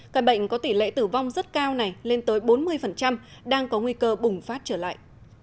các bệnh có tỷ lệ tử vong rất cao này lên tới bốn mươi đang có nguy cơ bùng phát trở lại